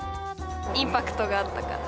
インパクトがあったから。